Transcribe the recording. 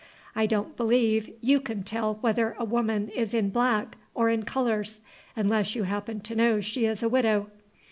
I don't believe you can tell whether a woman is in black or in colors, unless you happen to know she is a widow.